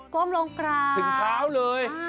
ก้มลงกราบถึงเท้าเลย